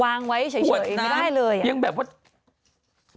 วางไว้เฉยอีกไม่ได้เลยควดน้ำยังแบบว่า